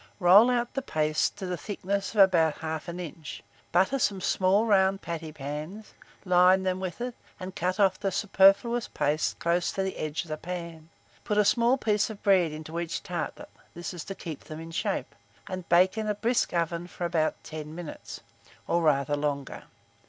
Roll out the paste to the thickness of about 1/2 inch; butter some small round patty pans, line them with it, and cut off the superfluous paste close to the edge of the pan. Put a small piece of bread into each tartlet (this is to keep them in shape), and bake in a brisk oven for about 10 minutes, or rather longer.